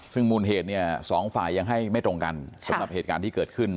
ซึ่งมูลเหตุเนี่ยสองฝ่ายยังให้ไม่ตรงกันสำหรับเหตุการณ์ที่เกิดขึ้น